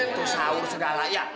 itu sawur segala ya